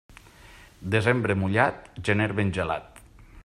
Desembre mullat, gener ben gelat.